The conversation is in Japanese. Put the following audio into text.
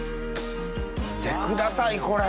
見てくださいこれ！